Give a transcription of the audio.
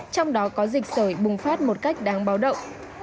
trong đó có dịch sởi bùng phát một cách đáng báo động